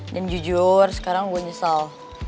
dan jujur sekarang gua nyesel